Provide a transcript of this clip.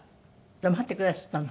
待ってくだすったの？